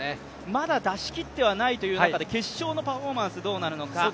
まだ出し切っていないという中で決勝のパフォーマンスどうなるのか。